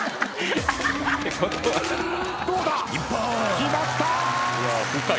どうだ⁉きました！